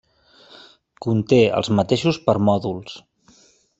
Conté els mateixos permòdols.